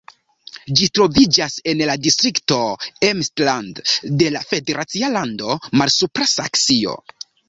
Ĝi troviĝas en la distrikto Emsland de la federacia lando Malsupra Saksio.